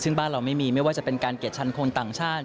ซึ่งบ้านเราไม่มีไม่ว่าจะเป็นการเกลียดชันคนต่างชาติ